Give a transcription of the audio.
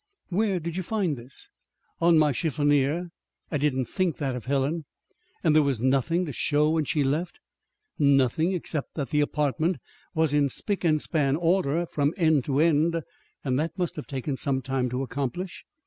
"Where did you find this?" "On my chiffonier. I didn't think that of Helen." "And there was nothing to show when she left?" "Nothing except that the apartment was in spick and span order from end to end; and that must have taken some time to accomplish."